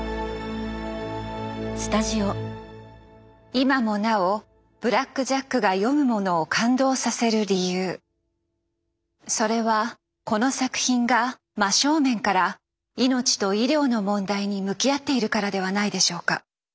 今もなお「ブラック・ジャック」が読む者を感動させる理由それはこの作品が真正面から「いのちと医療」の問題に向き合っているからではないでしょうか。